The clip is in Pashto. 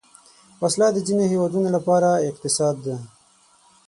وسله د ځینو هیوادونو لپاره اقتصاد ده